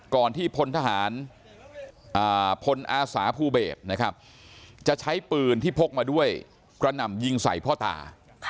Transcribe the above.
ก่อนที่พลทหารพลอาสาภูเบศนะครับจะใช้ปืนที่พกมาด้วยกระหน่ำยิงใส่พ่อตา